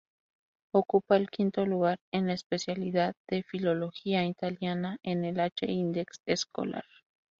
Ocupa el quinto lugar en la especialidad de Filología italiana en el H-Index Scholar.